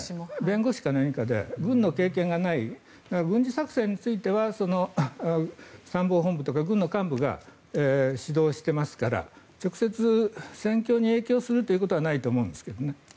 弁護士か何かで軍の経験がない軍事作戦については参謀本部とか軍の幹部が指導してますから直接、戦況に影響することはないと思うんですけどね。